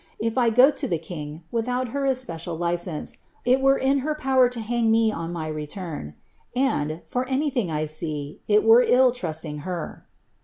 If I go to the king, rithout her especial license, it were in her power to hang me on my etnm; and, for anything I see, it were ill trusting her.'